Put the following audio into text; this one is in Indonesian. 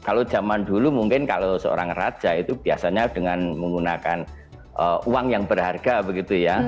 kalau zaman dulu mungkin kalau seorang raja itu biasanya dengan menggunakan uang yang berharga begitu ya